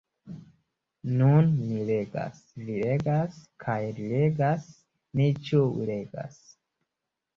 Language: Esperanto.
Nun mi legas, vi legas kaj li legas; ni ĉiuj legas.